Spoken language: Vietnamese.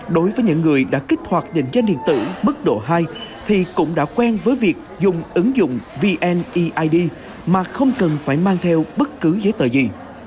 đối với những người đã kích hoạt định danh điện tử mức độ hai thì cũng đã quen với việc dùng ứng dụng vneid mà không cần phải mang theo bất cứ giấy tờ gì